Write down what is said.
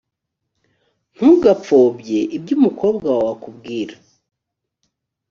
ntugapfobye ibyo umukobwa wawe akubwira.